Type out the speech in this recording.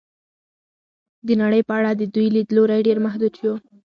د نړۍ په اړه د دوی لید لوری ډېر محدود شو.